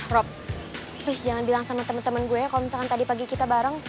rob pis jangan bilang sama temen temen gue kalau misalkan tadi pagi kita bareng